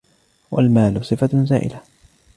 وَالْمَالَ صِفَةٌ زَائِلَةٌ